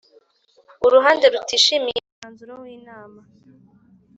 Uruhande rutishimiye umwanzuro w Inama